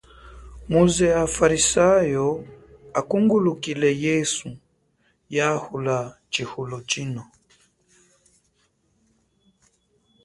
Muze afarisewu akungulukile yesu yahula chihulo chino.